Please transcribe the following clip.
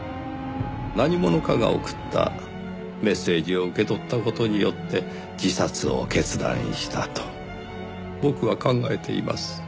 何者かが送ったメッセージを受け取った事によって自殺を決断したと僕は考えています。